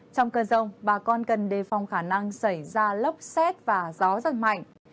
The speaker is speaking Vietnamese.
trong cơn rồng bà con cần đề phòng khả năng xảy ra lốc xét và gió rất mạnh